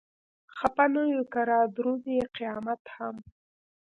خپه نه يو که رادرومي قيامت هم